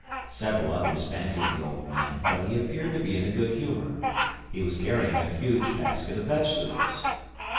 Several others bantered the old man, but he appeared to be in a good humor. He was carrying a huge basket of vegetables.